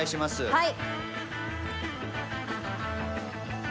はい。